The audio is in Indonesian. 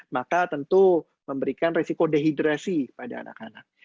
maka bakteri salmonella akan menyebar ke organ organ tubuh yang lain